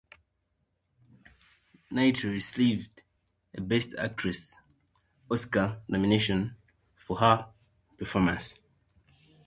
Knightley received a Best Actress Oscar nomination for her performance.